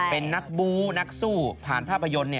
เป็นนักบู๊นักสู้ผ่านภาพยนตร์